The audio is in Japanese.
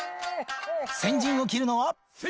先陣を切るのは。